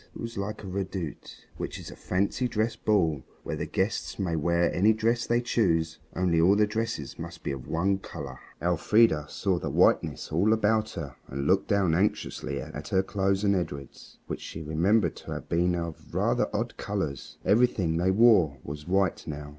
It was like a redoute, which is a fancy dress ball where the guests may wear any dress they choose, only all the dresses must be of one color. Elfrida saw the whiteness all about her and looked down anxiously at her clothes and Edred's, which she remembered to have been of rather odd colors. Everything they wore was white now.